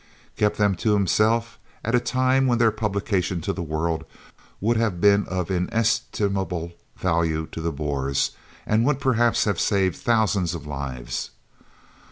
Kept them to himself, at a time when their publication to the world would have been of inestimable value to the Boers and would perhaps have saved thousands of lives!